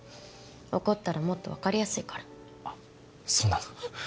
怒ったらもっと分かりやすいからあそうなの？